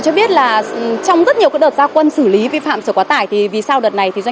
cho biết là trong rất nhiều đợt gia quân xử lý vi phạm sở quá tải thì vì sao đợt này thì doanh